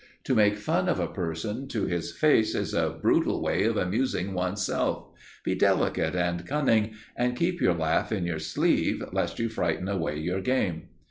To make fun of a person to his face is a brutal way of amusing one's self; be delicate and cunning, and keep your laugh in your sleeve, lest you frighten away your game.